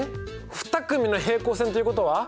２組の平行線ということは。